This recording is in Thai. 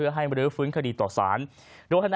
มาให้ที่เป็นคำทดืม